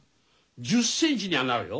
１０センチにはなるよ。